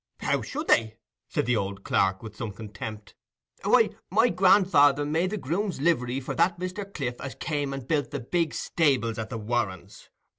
"How should they?" said the old clerk, with some contempt. "Why, my grandfather made the grooms' livery for that Mr. Cliff as came and built the big stables at the Warrens.